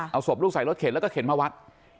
เอาศพลูกใส่รถเข็นแล้วก็เข็นมาวัด